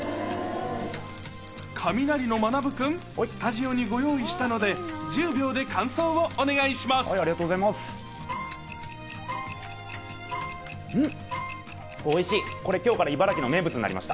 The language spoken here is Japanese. カミナリのまなぶ君、スタジオにご用意したので、１０秒で感想をありがとうございます。